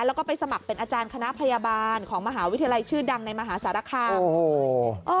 แล้วก็ไปสมัครเป็นอาจารย์คณะพยาบาลของมหาวิทยาลัยชื่อดังในมหาสารคาม